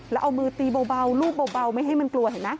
แล้วเอามือตีเบารูปเบาไม่ให้มันกลัวเห็นไหม